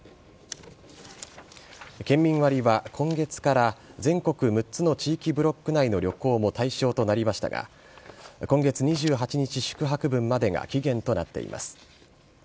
県民割は今月から全国６つの地域・ブロック内の旅行も対象となりましたが今月２８日宿泊分までが期限となっています。